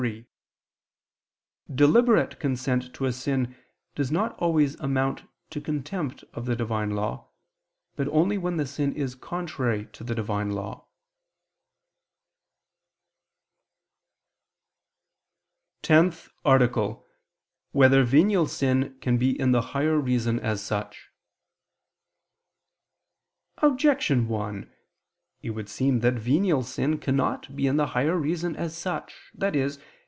3: Deliberate consent to a sin does not always amount to contempt of the Divine law, but only when the sin is contrary to the Divine law. ________________________ TENTH ARTICLE [I II, Q. 74, Art. 10] Whether Venial Sin Can Be in the Higher Reason As Such? Objection 1: It would seem that venial sin cannot be in the higher reason as such, i.e.